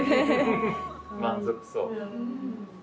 満足そう。